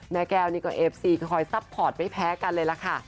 แม่แก้วนี่ก็เอฟซีก็คอยซัพพอร์ตไม่แพ้กันเลยล่ะค่ะ